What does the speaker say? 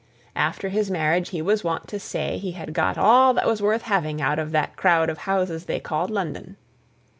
After his marriage he was wont to say he had got all that was worth having out of the crowd of houses they called London.